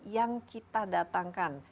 yang kita datangkan